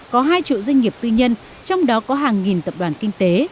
có hai triệu doanh nghiệp tư nhân trong đó có hàng nghìn tập đoàn kinh tế